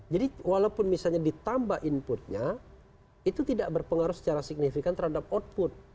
jadi walaupun misalnya ditambah inputnya itu tidak berpengaruh secara signifikan terhadap output